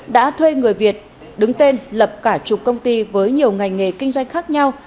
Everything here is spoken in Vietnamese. đã thuê người việt đứng tên lập cả chục công ty với nhiều ngành nghề kinh doanh khác nhau